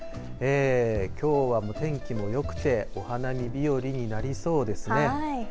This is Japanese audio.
きょうは天気もよくて、お花見日和になりそうですね。